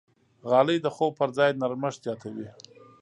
غالۍ د خوب پر ځای نرمښت زیاتوي.